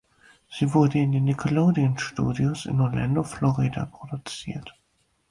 Sie wurde in den Nickelodeon-Studios in Orlando, Florida produziert.